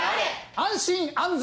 安心安全！